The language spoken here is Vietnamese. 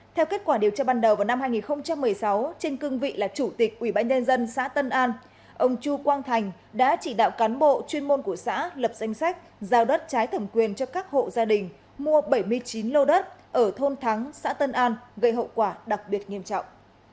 theo kết quả điều tra ban đầu vào năm hai nghìn một mươi sáu trên cương vị là chủ tịch ubnd xã tân an ông chu quang thành đã chỉ đạo cán bộ chuyên môn của xã lập danh sách giao đất trái thẩm quyền cho các hộ gia đình mua bảy mươi chín lô đất ở thôn thắng xã tân an gây hậu quả đặc biệt nghiêm trọng